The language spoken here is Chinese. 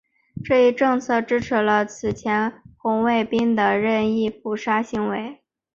这一政策支持了此前红卫兵的任意扑杀行为。